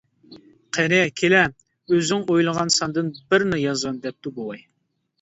قېنى كېلە، ئۆزۈڭ ئويلىغان ساندىن بىرنى يازغىن، دەپتۇ بوۋاي.